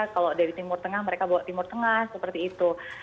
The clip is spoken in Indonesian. kalau dari timur tengah mereka bawa timur tengah seperti itu